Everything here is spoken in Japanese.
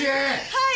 はい。